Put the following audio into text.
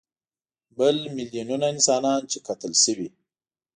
بل میلیونونه انسانان چې قتل شوي.